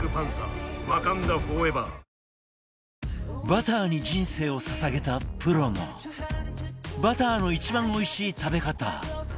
バターに人生を捧げたプロのバターの一番おいしい食べ方